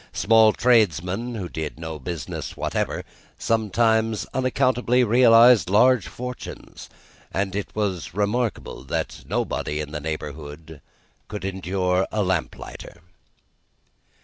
Small tradesmen, who did no business whatever, sometimes unaccountably realised large fortunes, and it was remarkable that nobody in the neighbourhood could endure a lamplighter.